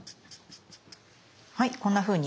はいこんなふうに。